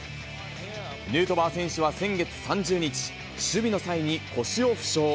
ヌートバー選手は先月３０日、守備の際に腰を負傷。